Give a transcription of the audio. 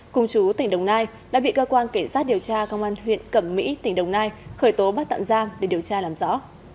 cùng chú tỉnh đồng nai đã bị cơ quan cảnh sát điều tra công an huyện cẩm mỹ tỉnh đồng nai khởi tố bắt tạm giam để điều tra làm rõ